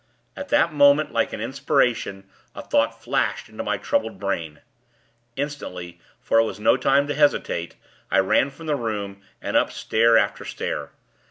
At that moment, like an inspiration, a thought flashed into my troubled brain. Instantly, for it was no time to hesitate, I ran from the room, and up stair after stair.